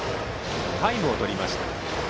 タイムをとりました。